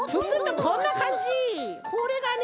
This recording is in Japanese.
これがね